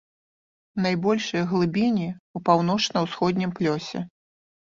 Найбольшыя глыбіні ў паўночна-ўсходнім плёсе.